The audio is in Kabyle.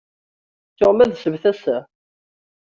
Ttuɣ ma d ssebt assa.